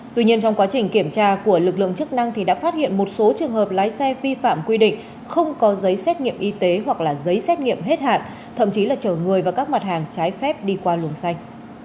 tuy nhiên trong quá trình kiểm tra của lực lượng chức năng thì đã phát hiện một số trường hợp lái xe vi phạm quy định không có giấy xét nghiệm y tế hoặc là giấy xét nghiệm hết hạn thậm chí là chở người và các mặt hàng trái phép đi qua luồng xanh